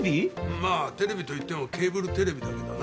まあテレビといってもケーブルテレビだけどな。